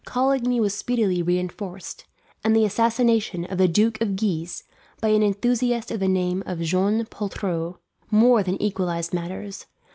Coligny was speedily reinforced; and the assassination of the Duke of Guise, by an enthusiast of the name of Jean Poltrot, more than equalized matters.